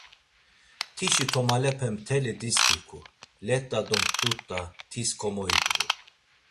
Tişi tomalepe mteli distiku, let̆a do mt̆ut̆a tis komoibğu.